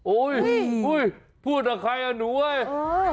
โอ้ยพูดกับใครล่ะหนู